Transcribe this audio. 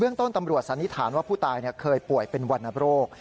ต้นตำรวจสันนิษฐานว่าผู้ตายเคยป่วยเป็นวรรณโรค